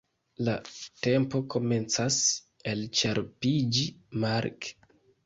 La tempo komencas elĉerpiĝi, Mark!